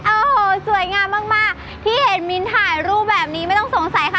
โอ้โหสวยงามมากมากที่เห็นมิ้นถ่ายรูปแบบนี้ไม่ต้องสงสัยค่ะ